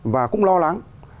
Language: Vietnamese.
và cũng lo lắng